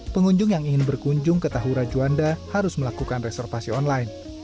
pengunjung yang ingin berkunjung ke tahura juanda harus melakukan reservasi online